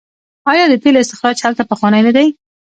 آیا د تیلو استخراج هلته پخوانی نه دی؟